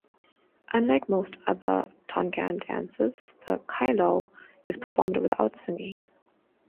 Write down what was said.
Unlike most other Tongan dances, the kailao is performed without singing.